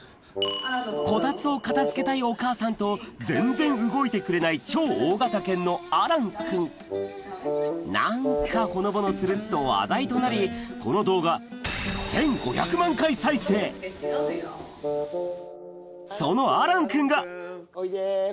こたつを片付けたいお母さんと全然動いてくれない超大型犬のアランくんなんかほのぼのすると話題となりこの動画そのアランくんがおいで。